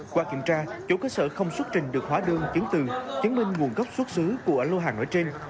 qua kiểm tra chủ cơ sở không xuất trình được hóa đơn chứng từ chứng minh nguồn gốc xuất xứ của lô hàng nói trên